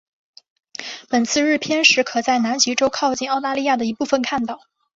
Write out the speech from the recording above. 本次日偏食可在南极洲靠近澳大利亚的一部分看到。